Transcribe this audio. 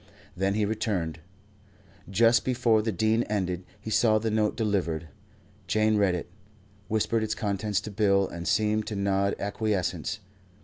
Then he returned. Just before the Dean ended, he saw the note delivered. Jane read it, whispered its contents to Bill and seemed to nod acquiescence.